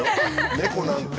猫なんて。